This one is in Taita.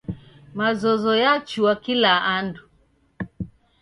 Mazozo yachua kila andu.